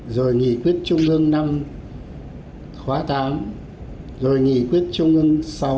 rồi nghị quyết trung ương năm khóa tám rồi nghị quyết trung ương sáu